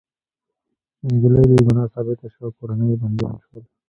انجلۍ بې ګناه ثابته شوه او کورنۍ يې بندیان شول